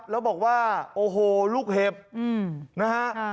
แล้วบอกว่าโอโหลูกเห็บอืมนะฮะอ่า